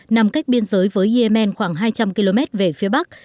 nằm cách biên giới với yemen khoảng hai trăm linh km về phía bắc